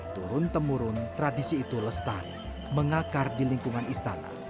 turun temurun tradisi itu lestari mengakar di lingkungan istana